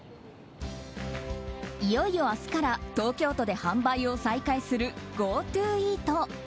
いよいよ明日から東京都で販売を再開するＧｏＴｏイート。